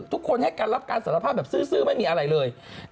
ทุกคนให้การรับการสารภาพแบบซื้อไม่มีอะไรเลย